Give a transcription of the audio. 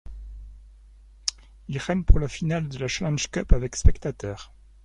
Mirren pour la finale de la Challenge Cup avec spectateurs.